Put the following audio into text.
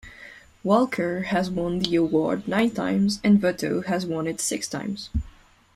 Walker has won the award nine times, and Votto has won it six times.